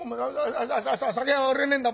酒は売れねえんだ。